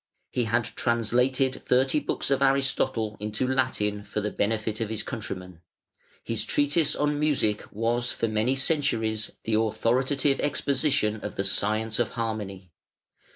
He had translated thirty books of Aristotle into Latin for the benefit of his countrymen; his treatise on Music was for many centuries the authoritative exposition of the science of harmony.